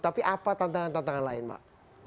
tapi apa tantangan tantangan lain mbak